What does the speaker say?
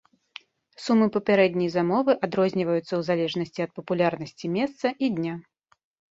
Сумы папярэдняй замовы адрозніваюцца ў залежнасці ад папулярнасці месца і дня.